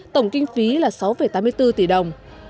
tổng kinh phí là sáu tám mươi bốn tỷ đồng